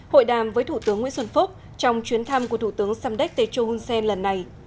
hội đàm với thủ tướng nguyễn xuân phúc trong chuyến thăm của thủ tướng samdech techo hun sen lần này